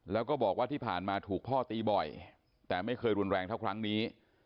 แล้วก็บอกว่าที่ผ่านมาถูกพ่อตีบ่อยแต่ไม่เคยรุนแรงเท่าครั้งนี้